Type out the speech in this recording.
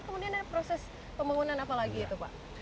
kemudian ada proses pembangunan apa lagi itu pak